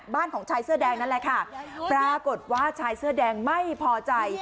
บ้านของชายเสื้อแดงนั่นแหละค่ะปรากฏว่าชายเสื้อแดงไม่พอใจ